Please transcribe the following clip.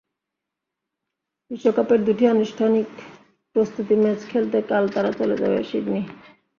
বিশ্বকাপের দুটি আনুষ্ঠানিক প্রস্তুতি ম্যাচ খেলতে কাল তারা চলে যাবে সিডনি।